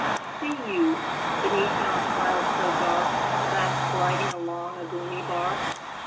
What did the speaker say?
See you, beneath yon cloud so dark, Fast gliding along a gloomy bark?